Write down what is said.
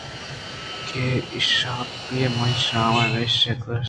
کہ انشپی منی شام ءَ میشے کُش